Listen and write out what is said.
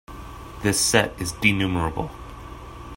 This set is denumerable.